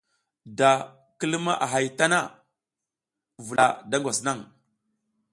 Da ki luma a hay a tana, vula da ngwas naƞ.